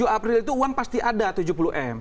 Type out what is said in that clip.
dua puluh april itu uang pasti ada tujuh puluh m